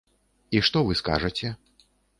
І што вы скажаце?